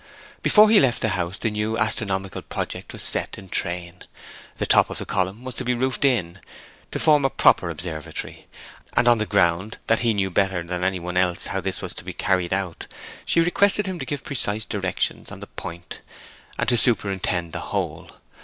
Before he left the house the new astronomical project was set in train. The top of the column was to be roofed in, to form a proper observatory; and on the ground that he knew better than any one else how this was to be carried out, she requested him to give precise directions on the point, and to superintend the whole.